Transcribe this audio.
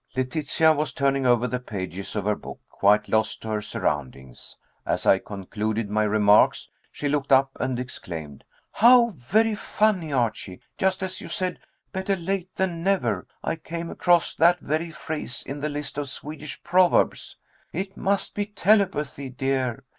Letitia was turning over the pages of her book, quite lost to her surroundings. As I concluded my remarks she looked up and exclaimed, "How very funny, Archie. Just as you said 'Better late than never,' I came across that very phrase in the list of Swedish proverbs. It must be telepathy, dear.